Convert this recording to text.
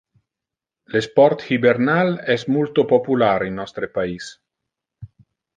Le sport hibernal es multo popular in nostre pais.